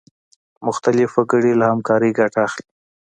مختلف وګړي له همکارۍ ګټه اخلي.